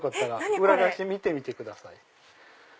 裏返して見てみてください。